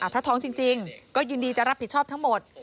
ถ้าท้องจริงก็ยินดีจะรับผิดชอบทั้งหมด